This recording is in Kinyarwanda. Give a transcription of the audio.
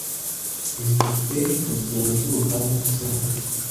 Ibipupe bigenzurwa ninsinga.